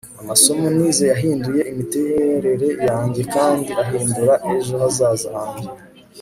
amasomo nize yahinduye imiterere yanjye kandi ahindura ejo hazaza hanjye